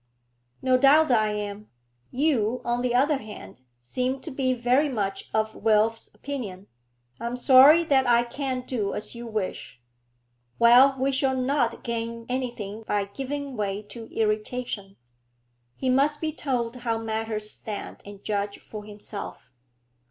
'No doubt I am. You, on the other hand, seem to be very much of Wilf's opinion. I am sorry that I can't do as you wish.' 'Well, we shall not gain anything by giving way to irritation. He must be told how matters stand, and judge for himself.'